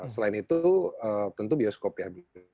selain itu tentu bioskop ya